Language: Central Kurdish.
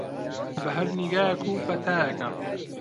بە هەر نیگایەک و پەتایەکە